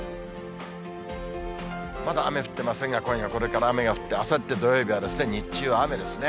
まだ雨降ってませんが、今夜これから雨が降って、あさって土曜日は日中は雨ですね。